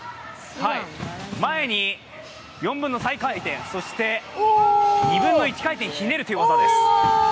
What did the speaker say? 前に４分の３回転、そして、２分の１回転ひねるという技です。